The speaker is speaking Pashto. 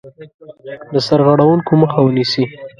د سرغړونکو مخه ونیسي.